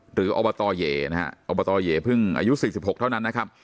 หรืออบตเยนะฮะอบตเยเพิ่งอายุสิบสิบหกเท่านั้นนะครับ